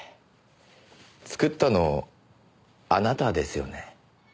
作ったのあなたですよね？